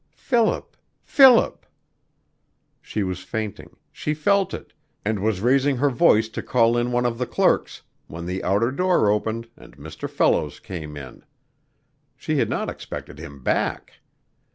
Philip! Philip! She was fainting she felt it, and was raising her voice to call in one of the clerks, when the outer door opened and Mr. Fellows came in. She had not expected him back.